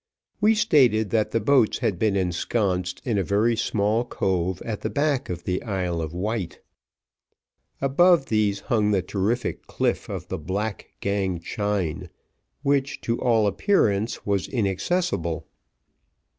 We stated that the boats had been ensconced in a very small cove at the back of the Isle of Wight. Above these hung the terrific cliff of the Black Gang Chyne, which, to all appearance, was inaccessible.